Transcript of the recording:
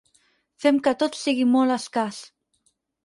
Fem que tot sigui molt escàs.